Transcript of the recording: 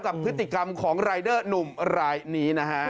กับพฤติกรรมของรายเดอร์หนุ่มรายนี้นะฮะ